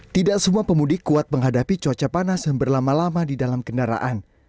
tidak semua pemudik kuat menghadapi cuaca panas yang berlama lama di dalam kendaraan